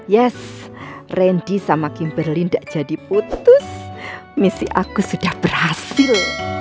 yes randy sama kimberlin tidak jadi putus misi aku sudah berhasil